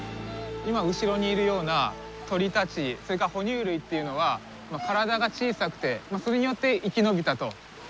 今後ろにいるような鳥たちそれから哺乳類というのは体が小さくてそれによって生き延びたといわれてるわけですよね。